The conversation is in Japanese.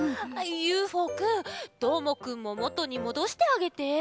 ＵＦＯくんどーもくんももとにもどしてあげて！